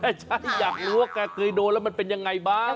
ฉันอยากรู้ว่าแกเคยโดนแล้วมันเป็นยังไงบ้าง